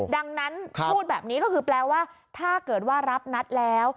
ดังนั้นพูดแบบนี้ก็คือแปลว่าถ้าเกิดว่ารับนัดแล้ว